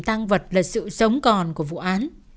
tăng vật là sự sống còn của vụ án